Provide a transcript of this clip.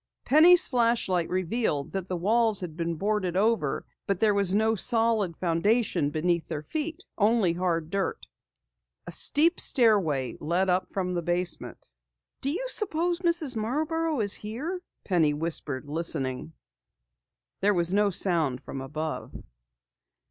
Penny's flashlight revealed that the walls had been boarded over, but there was no solid foundation beneath their feet, only a hard dirt floor. A steep stairway led up from the basement. "Do you suppose Mrs. Marborough is here?" Penny whispered, listening. There was no sound from above.